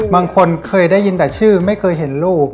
บางคนเคยได้ยินแต่ชื่อไม่เคยเห็นลูก